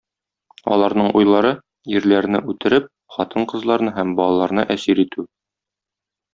Аларның уйлары, ирләрне үтереп, хатын-кызларны һәм балаларны әсир итү.